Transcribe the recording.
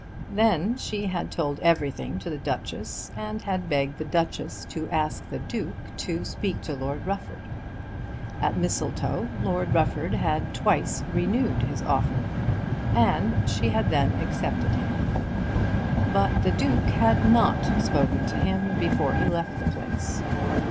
Then she had told everything to the Duchess and had begged the Duchess to ask the Duke to speak to Lord Rufford. At Mistletoe Lord Rufford had twice renewed his offer, and she had then accepted him. But the Duke had not spoken to him before he left the place.